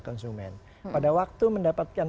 konsumen pada waktu mendapatkan